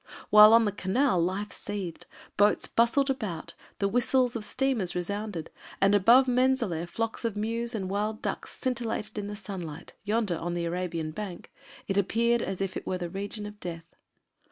While on the Canal life seethed, boats bustled about, the whistles of steamers resounded, and above Menzaleh flocks of mews and wild ducks scintillated in the sunlight, yonder, on the Arabian bank, it appeared as if it were the region of death.